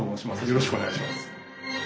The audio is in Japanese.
よろしくお願いします。